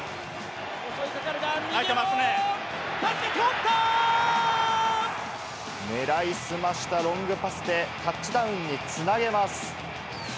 襲いかかるが、右、パスが通狙い澄ましたロングパスで、タッチダウンにつなげます。